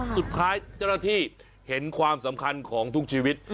สุดท้ายเจ้าหน้าที่เห็นความสำคัญของทุกชีวิต